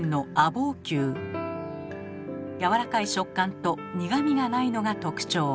やわらかい食感と苦みがないのが特徴。